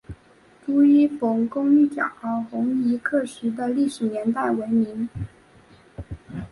朱一冯攻剿红夷刻石的历史年代为明。